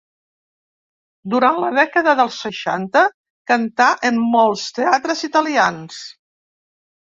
Durant la dècada dels seixanta, cantà en molts teatres italians.